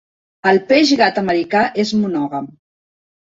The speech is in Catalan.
El peix gat americà és monògam.